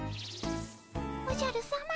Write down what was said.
おじゃるさま。